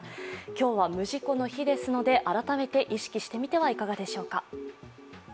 今日は無事故の日ですので改めて意識してみてはいかがでしょうか。